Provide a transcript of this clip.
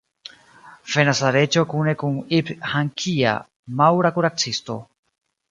Venas la reĝo kune kun Ibn-Hakia, maŭra kuracisto.